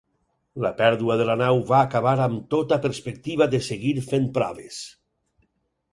La pèrdua de la nau va acabar amb tota perspectiva de seguir fent proves.